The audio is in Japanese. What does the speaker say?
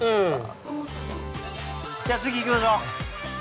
じゃあ次行きましょう。